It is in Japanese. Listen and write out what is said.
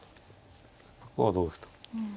ここは同歩と。